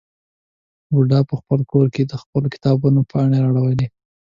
بوډا په خپل کور کې د خپلو کتابونو پاڼې اړولې.